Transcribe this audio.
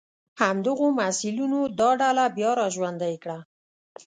همدغو محصلینو دا ډله بیا را ژوندۍ کړه.